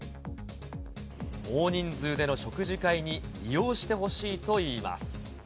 大人数での食事会に利用してほしいといいます。